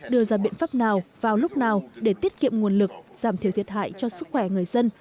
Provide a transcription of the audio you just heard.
đưa ra biện pháp nào vào lúc nào để tiết kiệm nguồn lực giảm thiểu thiệt hại cho sức khỏe người dân